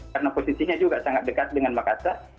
karena posisinya juga sangat dekat dengan makassar